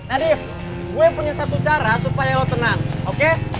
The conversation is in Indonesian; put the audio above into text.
nadief gue punya satu cara supaya lo tenang oke